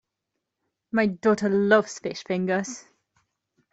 My daughter loves fish fingers